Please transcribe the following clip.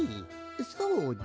そうじゃ！